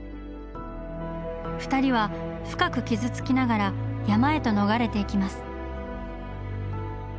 二人は深く傷つきながら山へと逃れていきます。